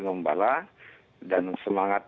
ngombala dan semangat